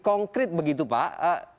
konkret begitu pak